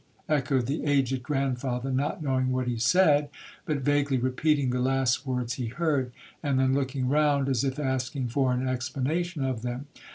echoed the aged grandfather, not knowing what he said, but vaguely repeating the last words he heard, and then looking round as if asking for an explanation of them.